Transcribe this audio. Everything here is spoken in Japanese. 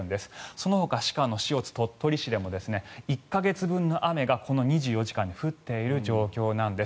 そのほか鹿野、塩津、鳥取でも１か月分の雨がこの２４時間で降っている状況なんです。